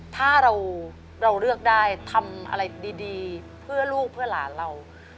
ถ้าเราเลือกได้ทำอะไรดีเพื่อลูกเพื่อหลานเรา